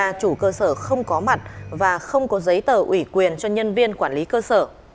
là chủ cơ sở không có mặt và không có giấy tờ ủy quyền cho nhân viên quản lý cơ sở